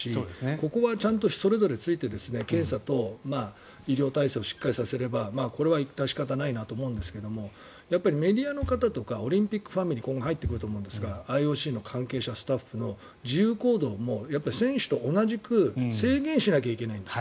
ここはちゃんとそれぞれついて検査と医療体制をしっかりさせればこれは致し方ないなと思いますがやっぱり、メディアの方とかオリンピックファミリー今後入ってくると思いますがＩＯＣの関係者、スタッフの自由行動もやっぱり選手と同じく制限しないといけないんです。